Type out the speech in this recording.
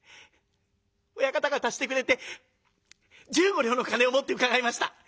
親方が足してくれて十五両の金を持って伺いました。